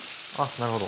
なるほど。